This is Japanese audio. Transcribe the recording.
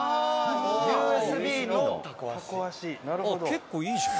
結構いいじゃん。